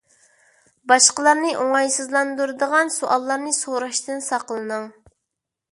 باشقىلارنى ئوڭايسىزلاندۇرىدىغان سوئاللارنى سوراشتىن ساقلىنىڭ.